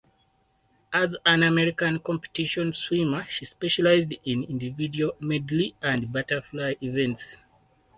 As an American competition swimmer she specialized in Individual Medley and butterfly events.